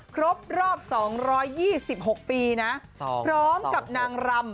ครบรอบ๒๒๖ปีนะพร้อมกับนางรำ๔๕๐๐๐คน